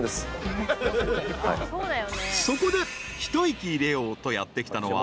［そこで一息入れようとやって来たのは］